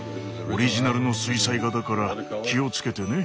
オリジナルの水彩画だから気を付けてね。